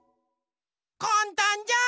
かんたんじゃん。